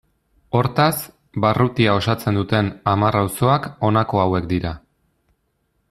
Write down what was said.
Hortaz, barrutia osatzen duten hamar auzoak honako hauek dira.